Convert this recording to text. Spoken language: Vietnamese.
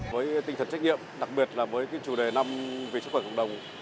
với tinh thần trách nhiệm đặc biệt là với chủ đề năm về sức khỏe cộng đồng